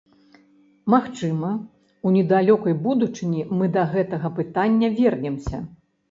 Магчыма, у недалёкай будучыні мы да гэтага пытання вернемся.